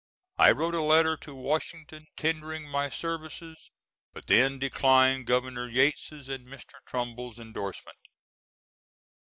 I wrote a letter to Washington tendering my services, but then declined Governor Yates' and Mr. Trumbull's endorsement.